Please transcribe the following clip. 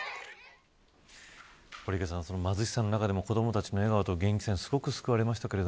貧しさの中でも子どもたちの笑顔と元気さにすごく救われました。